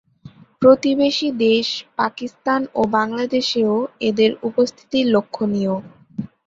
প্রতিবেশী দেশ পাকিস্তান ও বাংলাদেশেও এদের উপস্থিতি লক্ষ্যণীয়।